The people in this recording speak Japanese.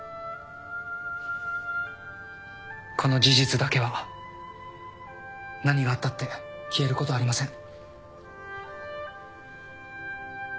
この事実だけは何があったって消えることはありません。